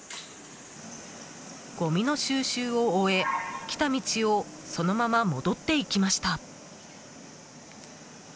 ごみの収集を終え、来た道をそのまま戻っていきました。